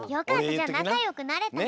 じゃあなかよくなれたね。